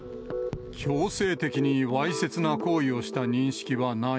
強制的にわいせつな行為をした認識はない。